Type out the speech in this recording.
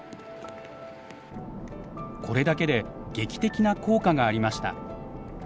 これだけで劇的な効果がありました。